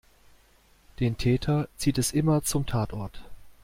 Den Täter zieht es immer zum Tatort.